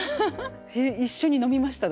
一緒に飲みましただから。